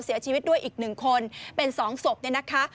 เสียชีวิตด้วยอีก๑คนเป็น๒ศพเนี่ยนะคะ